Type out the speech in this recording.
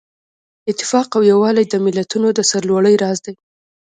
اتفاق او یووالی د ملتونو د سرلوړۍ راز دی.